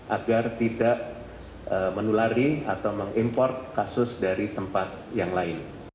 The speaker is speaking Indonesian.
agar tidak menulari atau mengimport kasus dari tempat yang lain